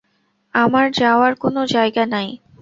আমার যাওয়ার কোন জায়গা নাই!